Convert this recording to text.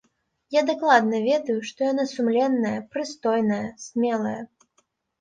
Я дакладна ведаю, што яна сумленная, прыстойная, смелая.